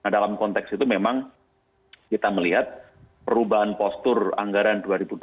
dalam konteks itu memang kita melihat perubahan postur anggaran dua ribu dua puluh